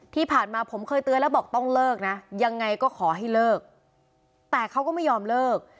ที่ผ่านมาผมเคยเตือนแล้วบอกต้องเลิกนะยังไงก็ขอให้เลิกแต่เขาก็ไม่ยอมเลิก